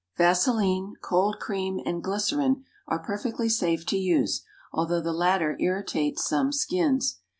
= Vaseline, cold cream, and glycerine are perfectly safe to use, although the latter irritates some skins.